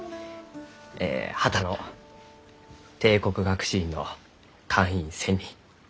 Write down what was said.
え波多野帝国学士院の会員選任